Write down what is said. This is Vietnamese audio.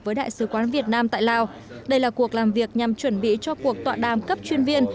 với đại sứ quán việt nam tại lào đây là cuộc làm việc nhằm chuẩn bị cho cuộc tọa đàm cấp chuyên viên